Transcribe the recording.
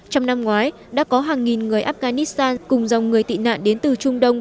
trong năm ngoái đã có hàng nghìn người afghanistan cùng dòng người tị nạn đến từ trung đông